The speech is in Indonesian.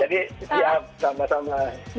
ya jadi siap sama sama